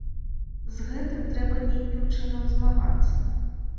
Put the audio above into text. З гэтым трэба нейкім чынам змагацца.